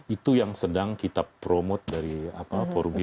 itu yang sedang kita promote dari forum human capital